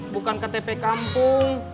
bukan ktp kampung